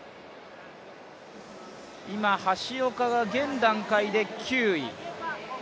今、橋岡が現段階で９位。